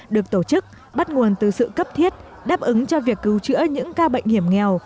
được tổ chức bắt nguồn từ sự cấp thiết đáp ứng cho việc cứu chữa những ca bệnh hiểm nghèo